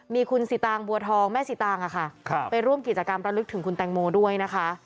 มีคุณสิตางบัวทองแม่สิตางค่ะไปร่วมกิจกรรมประลึกถึงคุณแตงโมด้วยนะคะ